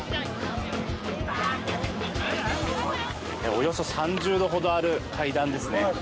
およそ３０度ほどある階段ですね。